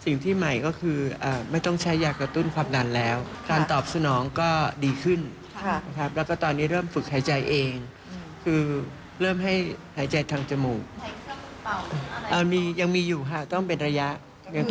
นอกนั้นก็ทรงไม่มีสุทธิ์